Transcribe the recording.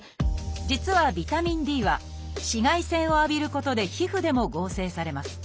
実はビタミンＤは紫外線を浴びることで皮膚でも合成されます。